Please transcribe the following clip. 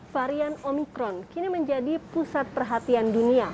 varian omikron kini menjadi pusat perhatian dunia